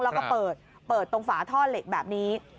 แล้วก็เปิดเปิดตรงฝาท่อเหล็กแบบนี้